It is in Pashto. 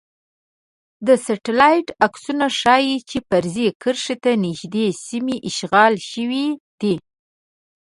د سټلایټ عکسونه ښايی چې فرضي کرښې ته نږدې سیمې اشغال شوي دي